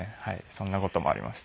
そんな事もありました。